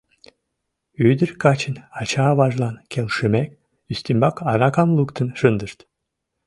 Ӱдыр качын ача-аважлан келшымек, ӱстембак аракам луктын шындышт.